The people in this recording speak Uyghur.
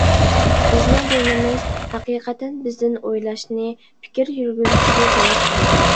بىزنىڭ دىنىمىز ھەقىقەتەن بىزدىن ئويلاشنى، پىكىر يۈرگۈزۈشنى تەلەپ قىلىدۇ.